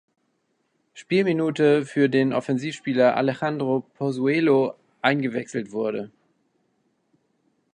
Spielminute für den Offensivspieler Alejandro Pozuelo eingewechselt wurde.